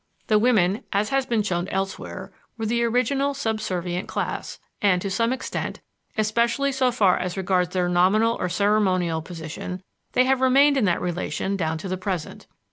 The women, as has been shown elsewhere, were the original subservient class, and to some extent, especially so far as regards their nominal or ceremonial position, they have remained in that relation down to the present.